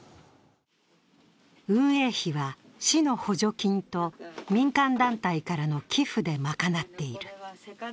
運営費は、市の補助金と民間団体からの寄付で賄っている。